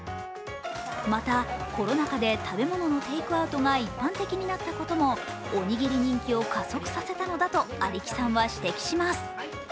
またコロナ禍で食べ物のテイクアウトが一般的になったこともおにぎり人気を加速させたのだと有木さんは指摘します。